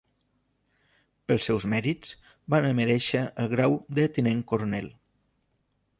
Pels seus mèrits va merèixer el grau de Tinent Coronel.